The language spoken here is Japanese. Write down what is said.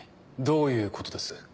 どういうことです？